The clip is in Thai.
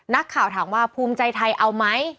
นักข่าวถามว่าภูมิใจไทยเอาไหม